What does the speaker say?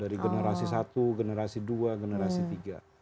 dari generasi satu generasi dua generasi tiga